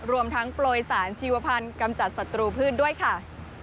รวมทั้งโปรยสารชีวพันธ์กำจัดศัตรูพืชด้วยค่ะ